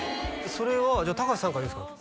それはじゃあ隆さんから言うんすか？